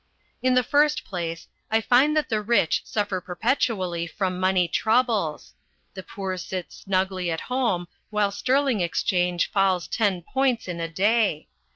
In the first place I find that the rich suffer perpetually from money troubles. The poor sit snugly at home while sterling exchange falls ten points in a day.